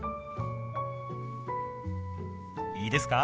いいですか？